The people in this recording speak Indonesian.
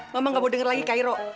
mama nggak mau dengar lagi kairu